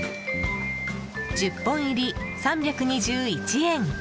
１０本入り３２１円。